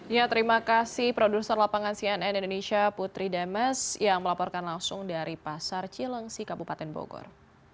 ya terima kasih produser lapangan cnn indonesia putri demes yang melaporkan langsung dari pasar cilengsi kabupaten bogor